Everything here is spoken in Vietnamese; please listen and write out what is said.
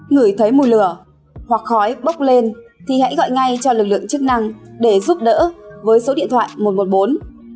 ngửi thấy mùi lửa hoặc khói bốc lên thì hãy gọi ngay cho lực lượng chức năng để giúp đỡ với số điện thoại một trăm một mươi bốn